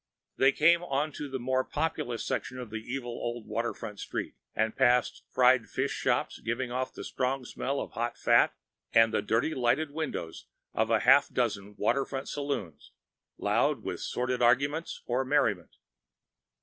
They came into a more populous section of the evil old waterfront street, and passed fried fish shops giving off the strong smell of hot fat, and the dirty, lighted windows of a half dozen waterfront saloons, loud with sordid argument or merriment.